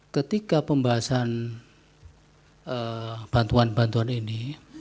ketika pembahasan bantuan bantuan ini